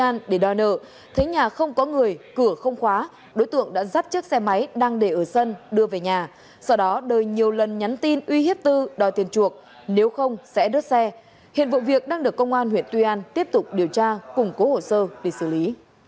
công an để đòi nợ thấy nhà không có người cửa không khóa đối tượng đã dắt chiếc xe máy đang để ở sân đưa về nhà sau đó đời nhiều lần nhắn tin uy hiếp tư đòi tiền chuộc nếu không sẽ đốt xe hiện vụ việc đang được công an huyện tuy an tiếp tục điều tra củng cố hồ sơ để xử lý